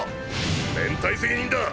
連帯責任だ。